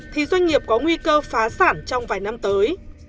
thì doanh nghiệp có nguy cơ phá sản trong vài năm tới